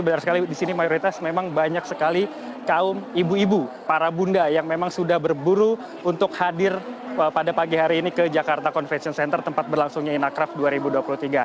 benar sekali di sini mayoritas memang banyak sekali kaum ibu ibu para bunda yang memang sudah berburu untuk hadir pada pagi hari ini ke jakarta convention center tempat berlangsungnya inacraft dua ribu dua puluh tiga